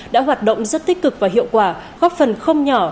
đã hoạt động rất tích cực và hiệu quả góp phần không nhỏ